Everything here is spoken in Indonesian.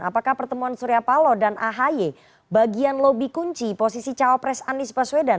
apakah pertemuan surya palo dan ahi bagian lobi kunci posisi caopres anis baswedan